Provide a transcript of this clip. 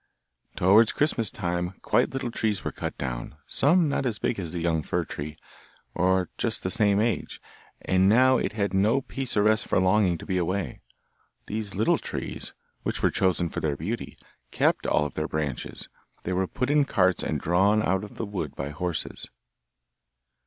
Towards Christmas time quite little trees were cut down, some not as big as the young fir tree, or just the same age, and now it had no peace or rest for longing to be away. These little trees, which were chosen for their beauty, kept all their branches; they were put in carts and drawn out of the wood by horses.